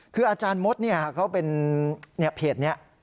คืออาจารย์มดเขาเป็นเพจนี้